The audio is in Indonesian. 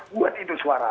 buat itu suara